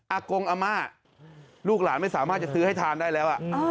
กงอาม่าลูกหลานไม่สามารถจะซื้อให้ทานได้แล้ว